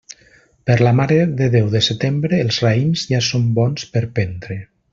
Per la Mare de Déu de setembre, els raïms ja són bons per prendre.